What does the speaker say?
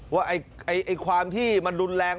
ว่าความที่มันรุนแรง